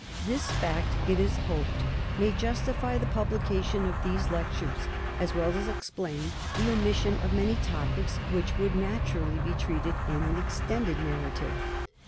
This fact, it is hoped, may justify the publication of these lectures, as well as explain the omission of many topics which would naturally be treated in an extended narrative.